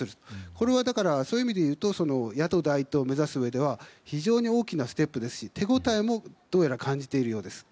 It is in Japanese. これはそういう意味でいうと野党第１党を目指すうえでは非常に大きなステップですし手応えも感じているようです。